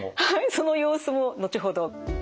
その様子も後ほど。